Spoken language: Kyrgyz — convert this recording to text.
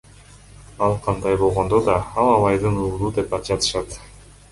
Ал кандай болгондо да, ал Алайдын уулу, деп жатышат.